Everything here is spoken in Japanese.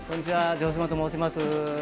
城島と申します